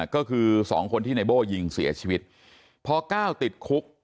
ก็คือ๒คนที่ในโบ้ยิงเสียชีวิตพอก้าวติดคุก